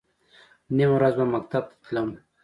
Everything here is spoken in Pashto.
نیمه ورځ به مکتب ته تلم.